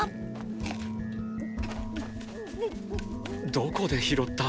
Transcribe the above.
どこで拾った？